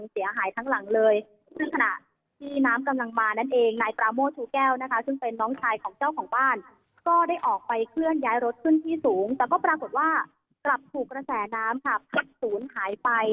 บ้านหลังนี้นะคะอยู่กันติดขนค่ะแล้วก็หลังจากที่